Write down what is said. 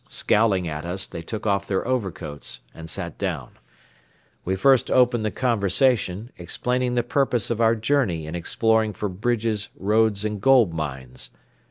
Scowling at us they took off their overcoats and sat down. We first opened the conversation, explaining the purpose of our journey in exploring for bridges, roads and gold mines.